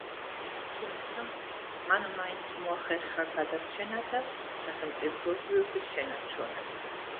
თუმცა მან მაინც მოახერხა გადარჩენა და სახელმწიფოებრიობის შენარჩუნება